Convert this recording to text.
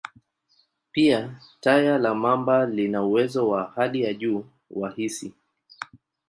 Pia, taya la mamba lina uwezo wa hali ya juu wa hisi.